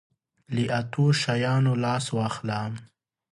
له اتو شیانو لاس واخله.